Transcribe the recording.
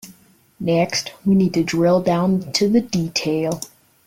Next, we need to drill down to the detail.